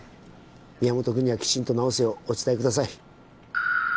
宮本君にはきちんと治すようお伝えください